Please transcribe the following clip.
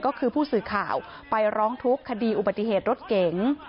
ก็คือผู้สื่อข่าวไปร้องทุกข์คดีอุบัติเหตุรถเก๋ง